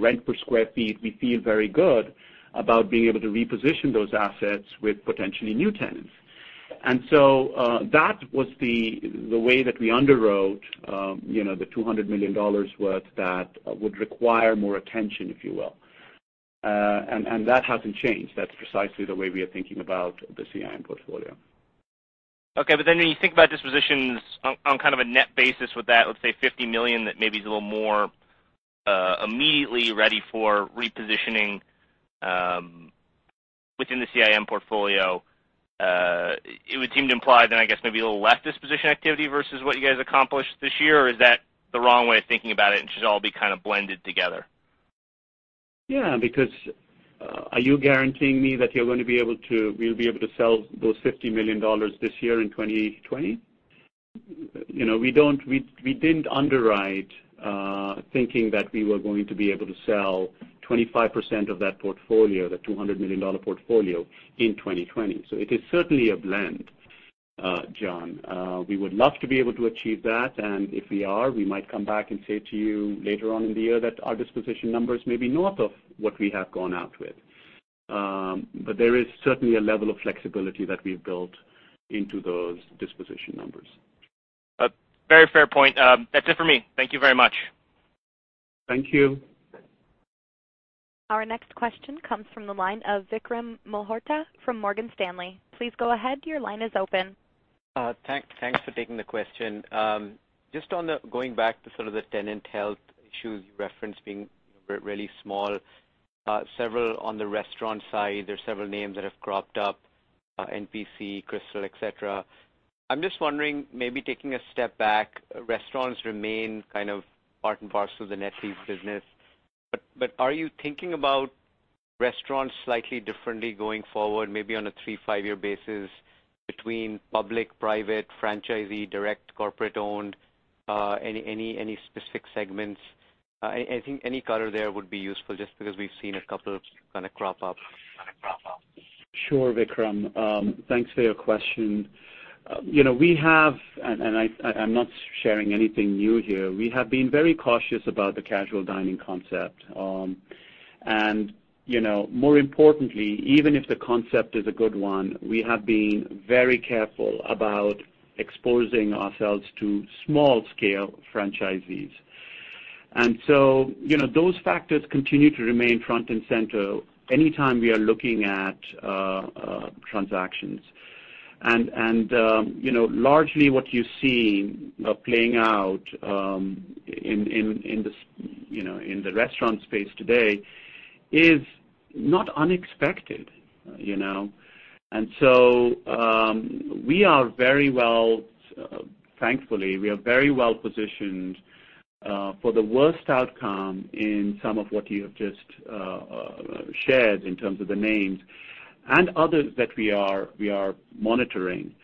rent per square feet, we feel very good about being able to reposition those assets with potentially new tenants. That was the way that we underwrote the $200 million worth that would require more attention, if you will. That hasn't changed. That's precisely the way we are thinking about the CIM portfolio. When you think about dispositions on kind of a net basis with that, let's say $50 million that maybe is a little more immediately ready for repositioning within the CIM portfolio. It would seem to imply then, I guess maybe a little less disposition activity versus what you guys accomplished this year, or is that the wrong way of thinking about it, and it should all be kind of blended together? Yeah, because are you guaranteeing me that we'll be able to sell those $50 million this year in 2020? We didn't underwrite thinking that we were going to be able to sell 25% of that portfolio, the $200 million portfolio, in 2020. It is certainly a blend, John. We would love to be able to achieve that, and if we are, we might come back and say to you later on in the year that our disposition numbers may be north of what we have gone out with. There is certainly a level of flexibility that we've built into those disposition numbers. A very fair point. That's it for me. Thank you very much. Thank you. Our next question comes from the line of Vikram Malhotra from Morgan Stanley. Please go ahead, your line is open. Thanks for taking the question. Just on going back to sort of the tenant health issues you referenced being really small. Several on the restaurant side, there's several names that have cropped up, NPC, Krystal, etc. I'm just wondering, maybe taking a step back, restaurants remain kind of part and parcel of the net lease business. Are you thinking about restaurants slightly differently going forward, maybe on a three, five-year basis between public, private, franchisee, direct corporate-owned any specific segments? I think any color there would be useful just because we've seen a couple kind of crop up. Sure, Vikram. Thanks for your question. We have, I'm not sharing anything new here, we have been very cautious about the casual dining concept. More importantly, even if the concept is a good one, we have been very careful about exposing ourselves to small-scale franchisees. Those factors continue to remain front and center anytime we are looking at transactions. Largely what you're seeing playing out in the restaurant space today is not unexpected. Thankfully, we are very well-positioned for the worst outcome in some of what you have just shared in terms of the names and others that we are monitoring.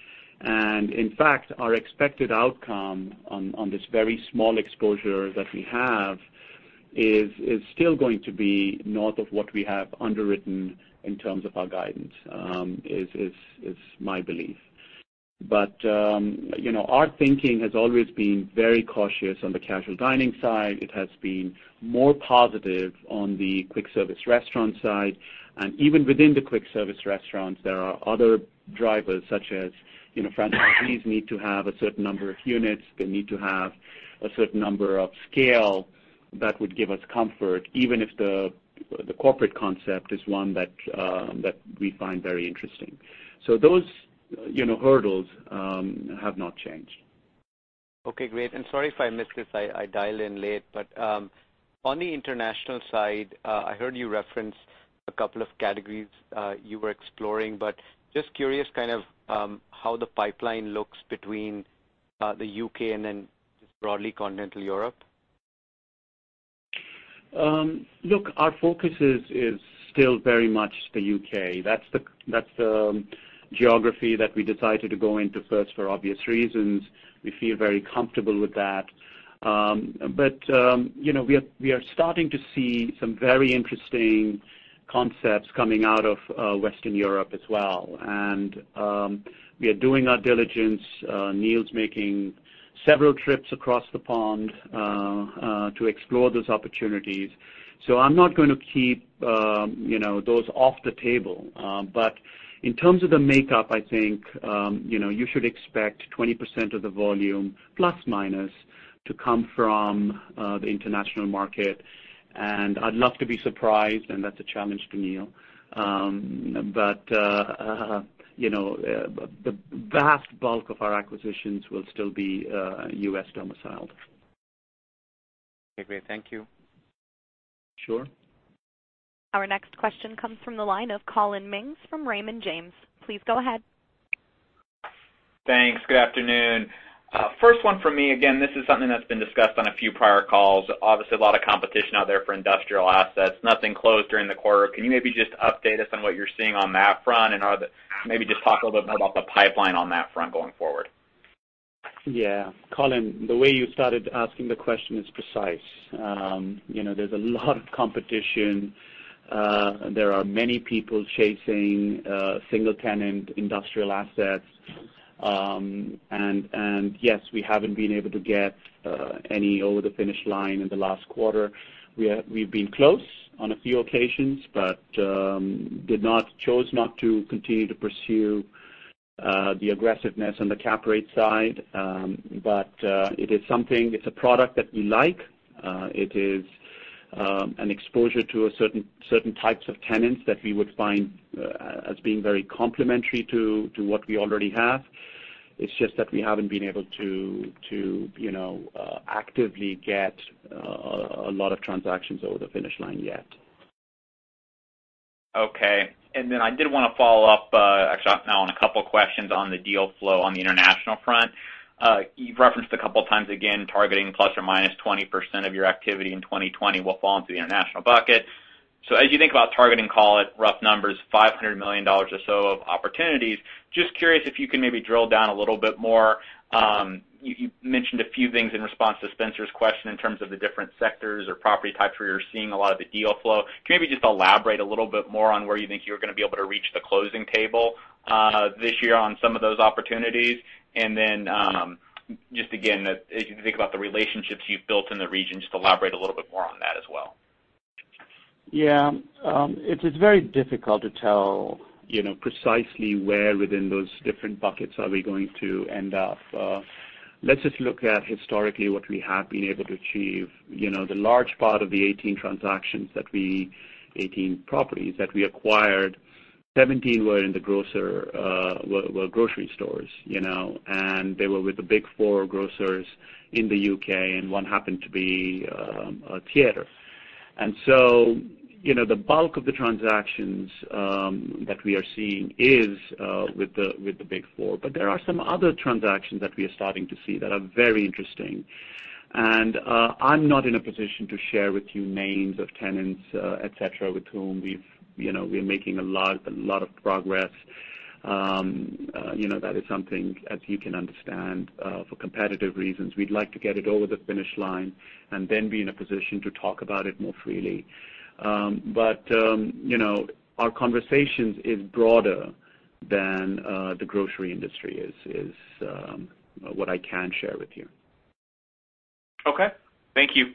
In fact, our expected outcome on this very small exposure that we have is still going to be north of what we have underwritten in terms of our guidance. It's my belief. Our thinking has always been very cautious on the casual dining side. It has been more positive on the quick service restaurant side. Even within the quick service restaurants, there are other drivers such as franchisees need to have a certain number of units, they need to have a certain number of scale that would give us comfort, even if the corporate concept is one that we find very interesting. Those hurdles have not changed. Okay, great. Sorry if I missed this, I dialed in late. On the international side, I heard you reference a couple of categories you were exploring, but just curious kind of how the pipeline looks between the U.K. and then just broadly continental Europe. Look, our focus is still very much the U.K. That's the geography that we decided to go into first for obvious reasons. We feel very comfortable with that. We are starting to see some very interesting concepts coming out of Western Europe as well. We are doing our diligence. Neil's making several trips across the pond to explore those opportunities. I'm not going to keep those off the table. In terms of the makeup, I think you should expect 20% of the volume, plus minus, to come from the international market. I'd love to be surprised, and that's a challenge to Neil. The vast bulk of our acquisitions will still be U.S. domiciled. Okay, great. Thank you. Sure. Our next question comes from the line of Collin Mings from Raymond James. Please go ahead. Thanks. Good afternoon. First one from me. Again, this is something that's been discussed on a few prior calls. Obviously, a lot of competition out there for industrial assets. Nothing closed during the quarter. Can you maybe just update us on what you're seeing on that front? Maybe just talk a little bit about the pipeline on that front going forward. Yeah. Collin, the way you started asking the question is precise. There's a lot of competition. There are many people chasing single-tenant industrial assets. Yes, we haven't been able to get any over the finish line in the last quarter. We've been close on a few occasions, but chose not to continue to pursue the aggressiveness on the cap rate side. It is a product that we like. It is an exposure to certain types of tenants that we would find as being very complementary to what we already have. It's just that we haven't been able to actively get a lot of transactions over the finish line yet. Okay. Then I did want to follow up, actually on a couple of questions on the deal flow on the international front. You've referenced a couple of times, again, targeting ±20% of your activity in 2020 will fall into the international bucket. As you think about targeting, call it rough numbers, $500 million or so of opportunities, just curious if you can maybe drill down a little bit more. You mentioned a few things in response to Spenser's question in terms of the different sectors or property types where you're seeing a lot of the deal flow. Can you maybe just elaborate a little bit more on where you think you're going to be able to reach the closing table this year on some of those opportunities? Just again, as you think about the relationships you've built in the region, just elaborate a little bit more on that as well. It's very difficult to tell precisely where within those different buckets are we going to end up. Let's just look at historically what we have been able to achieve. The large part of the 18 properties that we acquired, 17 were grocery stores. They were with the big four grocers in the U.K., and one happened to be a theater. The bulk of the transactions that we are seeing is with the big four. There are some other transactions that we are starting to see that are very interesting. I'm not in a position to share with you names of tenants, etc with whom we're making a lot of progress. That is something, as you can understand, for competitive reasons, we'd like to get it over the finish line and then be in a position to talk about it more freely. Our conversations is broader than the grocery industry is what I can share with you. Okay. Thank you.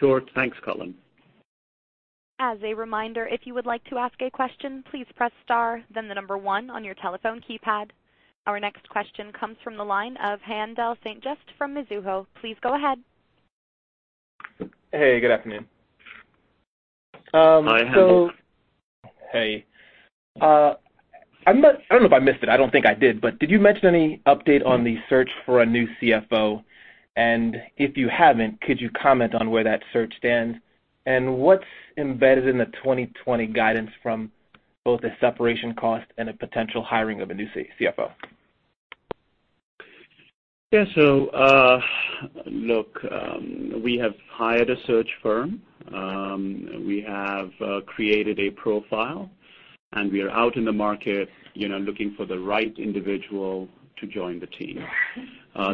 Sure. Thanks, Collin. As a reminder, if you would like to ask a question, please press star, then the number one on your telephone keypad. Our next question comes from the line of Haendel St. Juste from Mizuho. Please go ahead. Hey, good afternoon. Hi, Haendel. Hey. I don't know if I missed it, I don't think I did you mention any update on the search for a new CFO? If you haven't, could you comment on where that search stands? What's embedded in the 2020 guidance from both a separation cost and a potential hiring of a new CFO? Yeah. Look, we have hired a search firm. We have created a profile, and we are out in the market looking for the right individual to join the team.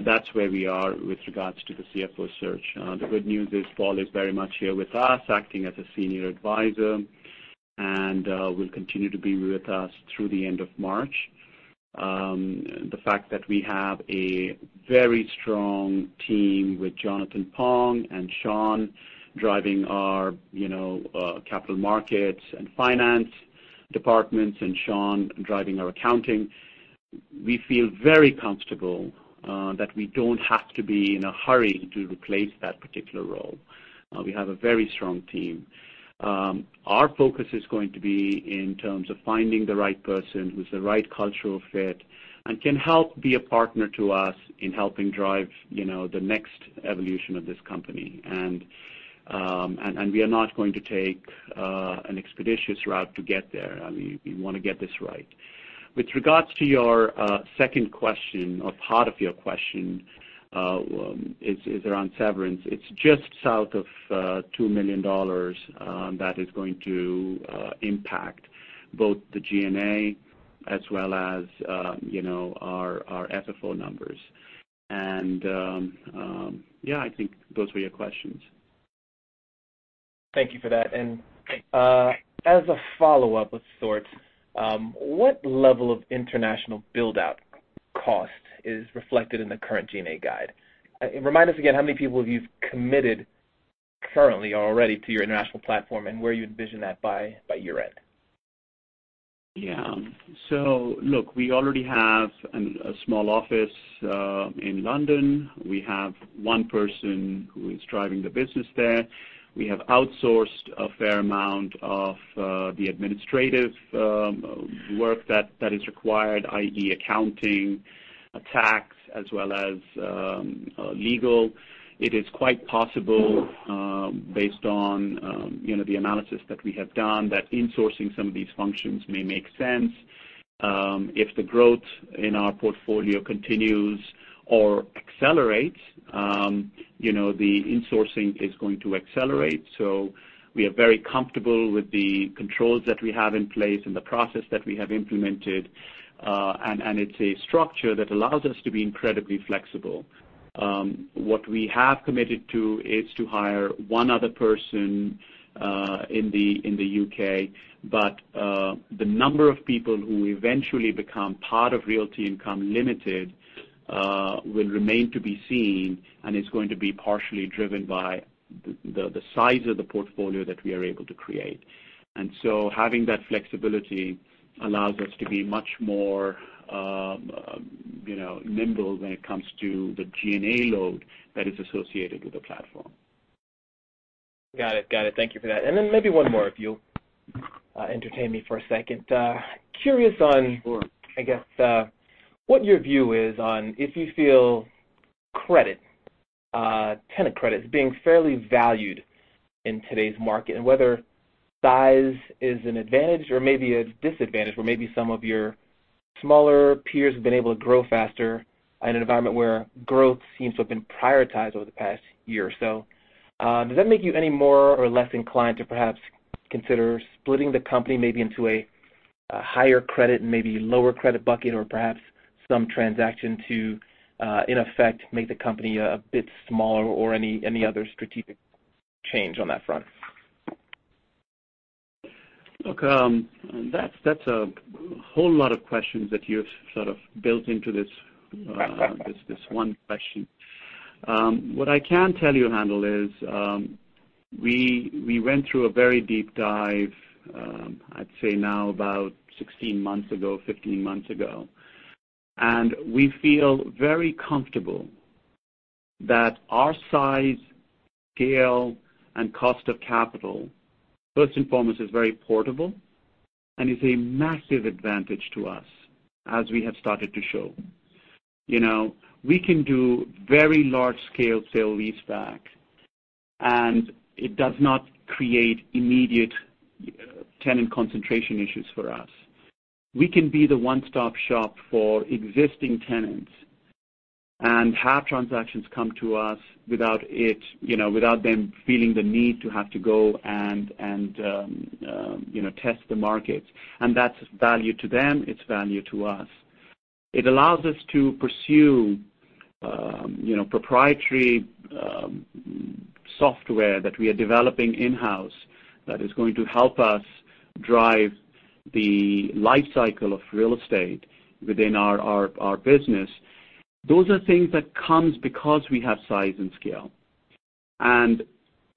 That's where we are with regards to the CFO search. The good news is Paul is very much here with us, acting as a senior advisor, and will continue to be with us through the end of March. The fact that we have a very strong team with Jonathan Pong and Sean driving our capital markets and finance departments, and Sean driving our accounting. We feel very comfortable that we don't have to be in a hurry to replace that particular role. We have a very strong team. Our focus is going to be in terms of finding the right person who's the right cultural fit and can help be a partner to us in helping drive the next evolution of this company. We are not going to take an expeditious route to get there. We want to get this right. With regards to your second question, or part of your question, is around severance. It's just south of $2 million. That is going to impact both the G&A as well as our FFO numbers. I think those were your questions. Thank you for that. As a follow-up of sorts, what level of international build-out cost is reflected in the current G&A guide? Remind us again how many people you've committed currently already to your international platform and where you envision that by year-end. Yeah. Look, we already have a small office in London. We have one person who is driving the business there. We have outsourced a fair amount of the administrative work that is required, i.e. accounting, tax, as well as legal. It is quite possible, based on the analysis that we have done, that insourcing some of these functions may make sense. If the growth in our portfolio continues or accelerates, the insourcing is going to accelerate. We are very comfortable with the controls that we have in place and the process that we have implemented. It's a structure that allows us to be incredibly flexible. What we have committed to is to hire one other person in the U.K., but the number of people who eventually become part of Realty Income Limited will remain to be seen, and it's going to be partially driven by the size of the portfolio that we are able to create. Having that flexibility allows us to be much more nimble when it comes to the G&A load that is associated with the platform. Got it. Thank you for that. Maybe one more if you'll entertain me for a second. Sure. Curious on, I guess, what your view is on if you feel credit, tenant credit, is being fairly valued in today's market, and whether size is an advantage or maybe a disadvantage, where maybe some of your smaller peers have been able to grow faster in an environment where growth seems to have been prioritized over the past year or so? Does that make you any more or less inclined to perhaps consider splitting the company maybe into a higher credit and maybe lower credit bucket or perhaps some transaction to, in effect, make the company a bit smaller or any other strategic change on that front? Look, that's a whole lot of questions that you've sort of built into this one question. What I can tell you, Haendel, is we went through a very deep dive, I'd say now about 16 months ago, 15 months ago, and we feel very comfortable that our size, scale, and cost of capital, first and foremost, is very portable and is a massive advantage to us as we have started to show. We can do very large-scale sale-leaseback. It does not create immediate tenant concentration issues for us. We can be the one-stop shop for existing tenants and have transactions come to us without them feeling the need to have to go and test the markets. That's value to them, it's value to us. It allows us to pursue proprietary software that we are developing in-house that is going to help us drive the life cycle of real estate within our business. Those are things that comes because we have size and scale.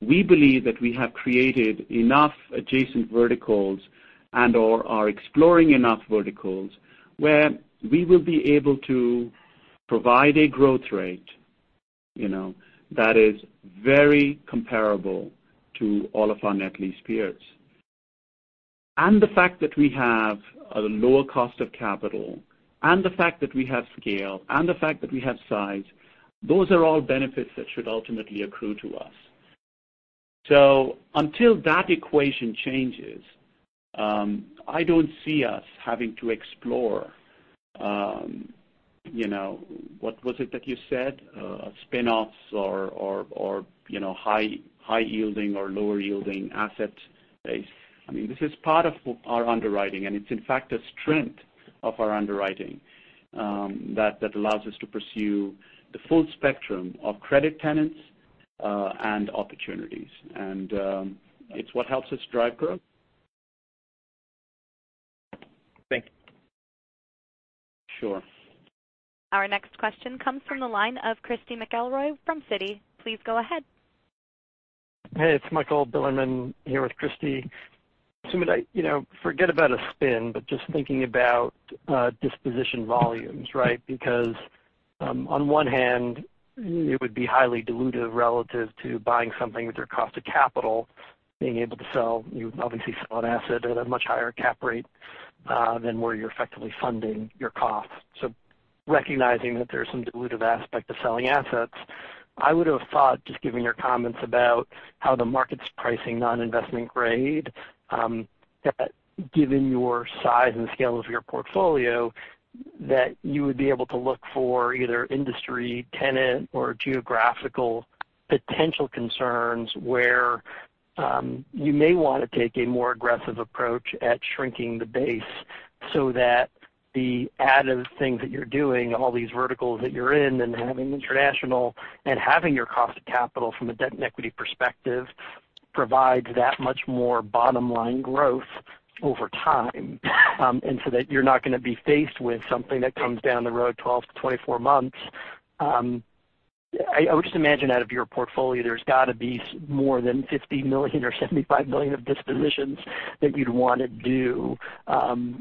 We believe that we have created enough adjacent verticals and/or are exploring enough verticals where we will be able to provide a growth rate that is very comparable to all of our net lease peers. The fact that we have a lower cost of capital, and the fact that we have scale, and the fact that we have size, those are all benefits that should ultimately accrue to us. Until that equation changes, I don't see us having to explore, what was it that you said? Spin-offs or high-yielding or lower-yielding asset base. This is part of our underwriting, and it's in fact a strength of our underwriting that allows us to pursue the full spectrum of credit tenants and opportunities. It's what helps us drive growth. Thank you. Sure. Our next question comes from the line of Christy McElroy from Citi. Please go ahead. Hey, it's Michael Bilerman here with Christy. Sumit, forget about a spin, but just thinking about disposition volumes. On one hand, it would be highly dilutive relative to buying something with your cost of capital, being able to sell, you obviously sell an asset at a much higher cap rate than where you're effectively funding your cost. Recognizing that there's some dilutive aspect of selling assets, I would've thought, just given your comments about how the market's pricing non-investment grade, that given your size and scale of your portfolio, that you would be able to look for either industry, tenant, or geographical potential concerns where you may want to take a more aggressive approach at shrinking the base so that the add of things that you're doing, all these verticals that you're in and having international and having your cost of capital from a debt and equity perspective provides that much more bottom-line growth over time, that you're not going to be faced with something that comes down the road 12-24 months. I would just imagine out of your portfolio, there's got to be more than $50 million or $75 million of dispositions that you'd want to do,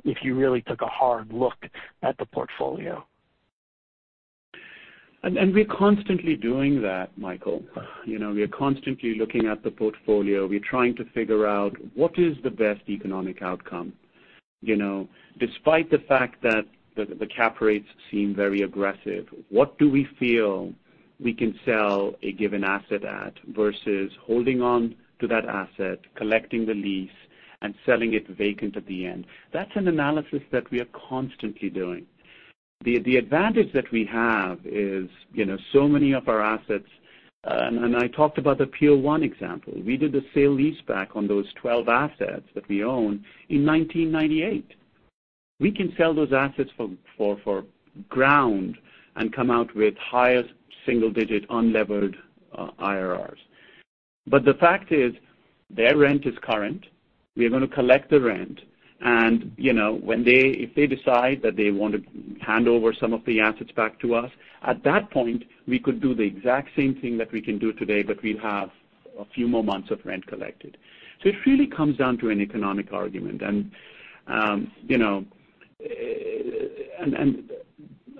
if you really took a hard look at the portfolio. We're constantly doing that, Michael. We are constantly looking at the portfolio. We're trying to figure out what is the best economic outcome. Despite the fact that the cap rates seem very aggressive, what do we feel we can sell a given asset at versus holding on to that asset, collecting the lease, and selling it vacant at the end? That's an analysis that we are constantly doing. The advantage that we have is so many of our assets, and I talked about the Pier 1 example. We did the sale-leaseback on those 12 assets that we own in 1998. We can sell those assets for ground and come out with highest single-digit unlevered IRRs. The fact is, their rent is current. We are going to collect the rent and if they decide that they want to hand over some of the assets back to us, at that point, we could do the exact same thing that we can do today, but we'll have a few more months of rent collected. It really comes down to an economic argument, and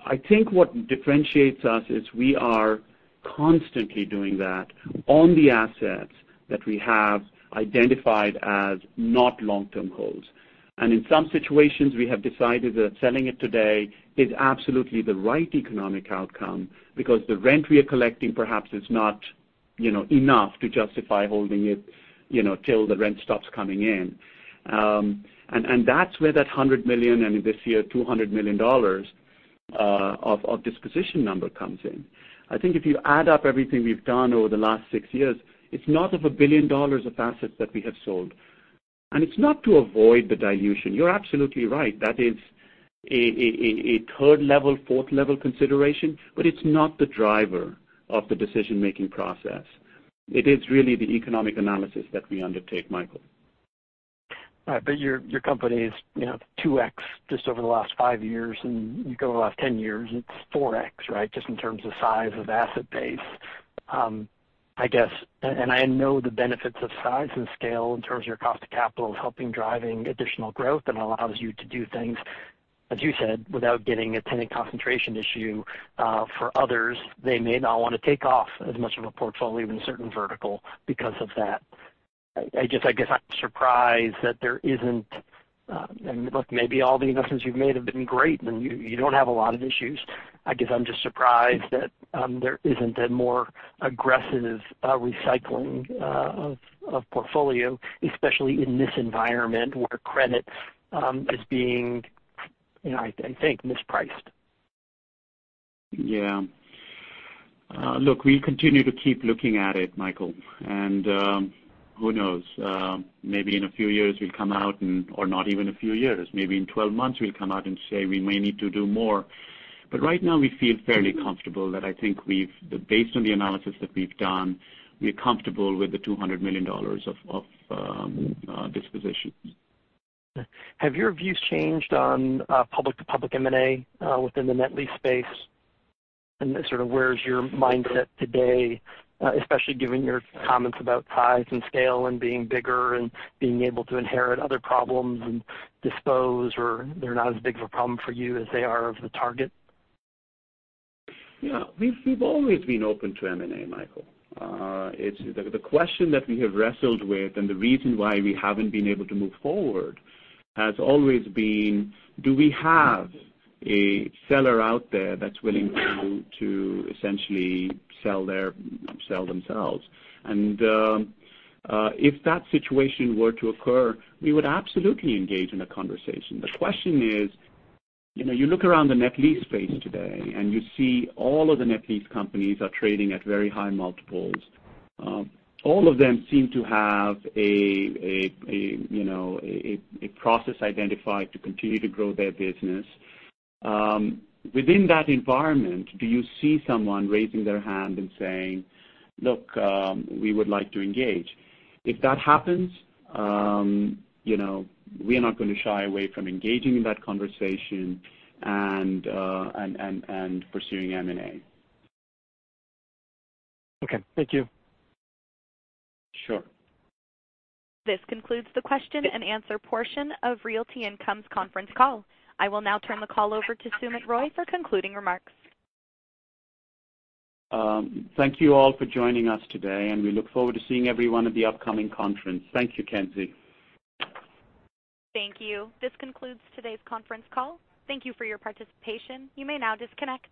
I think what differentiates us is we are constantly doing that on the assets that we have identified as not long-term holds. In some situations, we have decided that selling it today is absolutely the right economic outcome because the rent we are collecting perhaps is not enough to justify holding it till the rent stops coming in. That's where that $100 million, and this year, $200 million of disposition number comes in. I think if you add up everything we've done over the last six years, it's north of $1 billion of assets that we have sold. It's not to avoid the dilution. You're absolutely right. That is a third-level, fourth-level consideration, but it's not the driver of the decision-making process. It is really the economic analysis that we undertake, Michael. Right. Your company is 2x just over the last five years, and you go over the last 10 years, and it's 4x, right? Just in terms of size of asset base. I know the benefits of size and scale in terms of your cost of capital is helping driving additional growth and allows you to do things, as you said, without getting a tenant concentration issue. For others, they may not want to take off as much of a portfolio in a certain vertical because of that. I guess I'm surprised that there isn't, and look, maybe all the investments you've made have been great, and you don't have a lot of issues. I guess I'm just surprised that there isn't a more aggressive recycling of portfolio, especially in this environment where credit is being, I think, mispriced? Yeah. Look, we continue to keep looking at it, Michael. Who knows? Maybe in a few years we'll come out or not even a few years, maybe in 12 months we'll come out and say we may need to do more. Right now, we feel fairly comfortable that I think based on the analysis that we've done, we're comfortable with the $200 million of dispositions. Have your views changed on public-to-public M&A within the net lease space? Sort of where's your mindset today, especially given your comments about size and scale and being bigger and being able to inherit other problems and dispose, or they're not as big of a problem for you as they are of the target? Yeah. We've always been open to M&A, Michael. The question that we have wrestled with and the reason why we haven't been able to move forward has always been, do we have a seller out there that's willing to essentially sell themselves? If that situation were to occur, we would absolutely engage in a conversation. The question is, you look around the net lease space today, and you see all of the net lease companies are trading at very high multiples. All of them seem to have a process identified to continue to grow their business. Within that environment, do you see someone raising their hand and saying, "Look, we would like to engage." If that happens, we are not going to shy away from engaging in that conversation and pursuing M&A. Okay. Thank you. Sure. This concludes the question and answer portion of Realty Income's conference call. I will now turn the call over to Sumit Roy for concluding remarks. Thank you all for joining us today. We look forward to seeing everyone at the upcoming conference. Thank you, Kenzie. Thank you. This concludes today's conference call. Thank you for your participation. You may now disconnect.